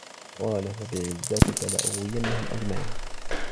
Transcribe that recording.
قَالَ فَبِعِزَّتِكَ لَأُغْوِيَنَّهُمْ أَجْمَعِينَ